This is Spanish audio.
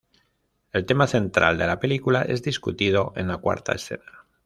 El tema central de la película es discutido en la cuarta escena.